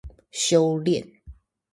修煉